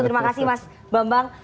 terima kasih mas bambang